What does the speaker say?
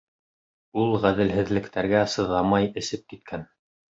Ул ғәҙелһеҙлектәргә сыҙамай эсеп киткән!